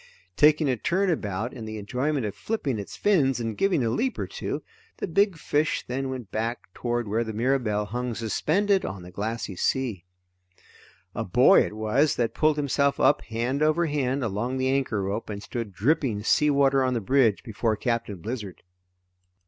Taking a turn about in the enjoyment of flipping its fins and giving a leap or two, the big fish then went back toward where the Mirabelle hung suspended on the glassy sea. A boy it was that pulled himself up hand over hand along the anchor rope and stood dripping sea water on the bridge before Captain Blizzard.